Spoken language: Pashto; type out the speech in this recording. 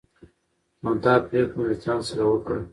نو دا پريکړه مې له ځان سره وکړه